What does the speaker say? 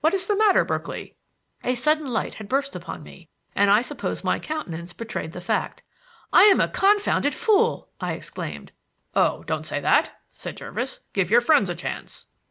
What is the matter, Berkeley?" A sudden light had burst upon me, and I suppose my countenance betrayed the fact. "I am a confounded fool!" I exclaimed. "Oh, don't say that," said Jervis. "Give your friends a chance."